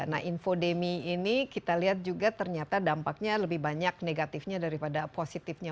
nah infodemi ini kita lihat juga ternyata dampaknya lebih banyak negatifnya daripada positifnya